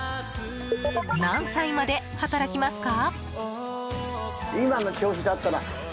何歳まで働きますか？